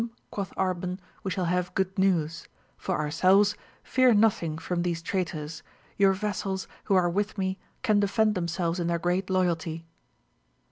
206 quoth Arban, we shall have good news ; for ourselves, fear nothing from these traitors : your vassals who are with me can defend themselves in their great loyalty.